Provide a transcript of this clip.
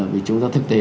vì chúng ta thực tế